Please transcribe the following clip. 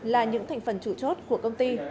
là những thành phần chủ chốt của công ty